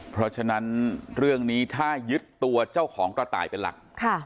เพราะฉะนั้นเรื่องนี้ถ้ายึดตัวเจ้าของกระต่ายเป็นหลัก